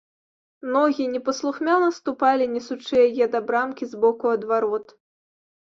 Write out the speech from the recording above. Ногі непаслухмяна ступалі, несучы яе да брамкі з боку ад варот.